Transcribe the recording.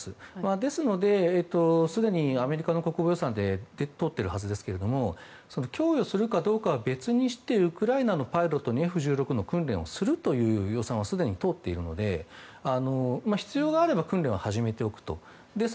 ですので、すでにアメリカの国防予算で通っているはずですが供与するかどうかは別としてウクライナのパイロットにＦ１６の訓練をする予算はすでに通っているので必要があれば訓練は始めておくと。